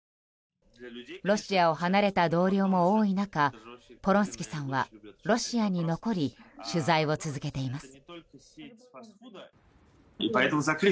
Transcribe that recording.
ロシアを離れた同僚も多い中ポロンスキさんはロシアに残り取材を続けています。